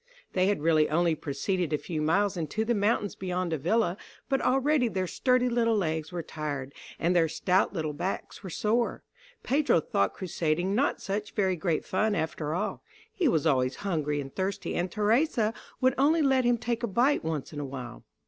They had really only proceeded a few miles into the mountains beyond Avila, but already their sturdy little legs were tired, and their stout little backs were sore. Pedro thought crusading not such very great fun after all; he was always hungry and thirsty, and Theresa would only let him take a bite once in a while.